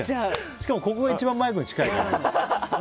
しかも、ここが一番マイクに近いから。